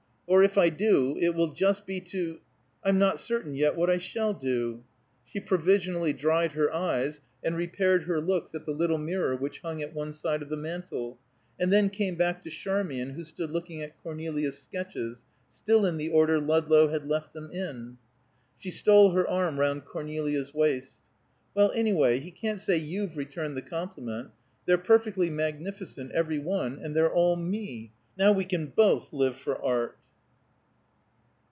Or, if I do, it will just be to I'm not certain yet what I shall do." She provisionally dried her eyes and repaired her looks at the little mirror which hung at one side of the mantel, and then came back to Charmian who stood looking at Cornelia's sketches, still in the order Ludlow had left them in. She stole her arm round Cornelia's waist. "Well, anyway, he can't say you've returned the compliment. They're perfectly magnificent, every one; and they're all me. Now we can both live for art."